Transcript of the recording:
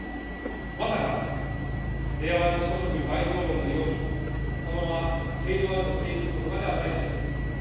まさか、令和版所得倍増論のように、そのままフェイドアウトしていくことばではないでしょうね。